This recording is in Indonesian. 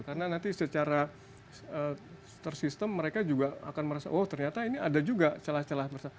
karena nanti secara ter system mereka juga akan merasa oh ternyata ini ada juga celah celah